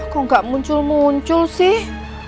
kok gak muncul muncul sih